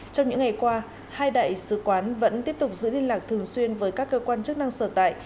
trong những ngày qua hai đại sứ quán vẫn tiếp tục giữ liên lạc thường xuyên với các cơ quan chức năng sở tại